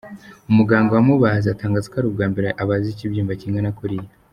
Umuganga wamubaze atangaza ko ari ubwambere abaze ikibyimba kingana kuriya.